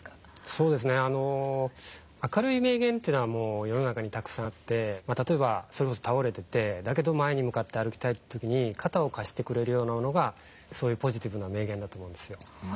明るい名言というのはもう世の中にたくさんあって例えばそれこそ倒れててだけど前に向かって歩きたい時に肩を貸してくれるようなのがポジティブな名言だと思うんですよ。